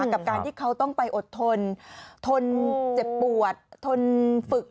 กับการที่เขาต้องไปอดทนทนเจ็บปวดทนฝึก